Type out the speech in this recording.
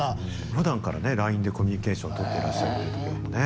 ふだんからねＬＩＮＥでコミュニケーションとってらっしゃるっていうところもね。